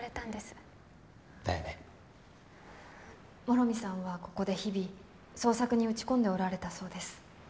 諸見さんはここで日々創作に打ち込んでおられたそうです。